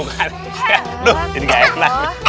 aduh ini gak enak